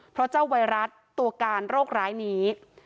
เพราะเจ้าไวรัสตัวการโรคร้ายนี้